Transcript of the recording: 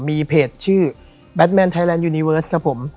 มีเพจชื่อแบทแมนไทยแลนดยูนิเวิร์สครับผม